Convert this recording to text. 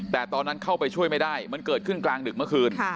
แต่ตอนนั้นเข้าไปช่วยไม่ได้มันเกิดขึ้นกลางดึกเมื่อคืน